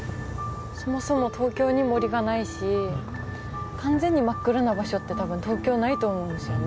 そもそも東京に森がないし完全に真っ暗な場所って多分東京ないと思うんですよね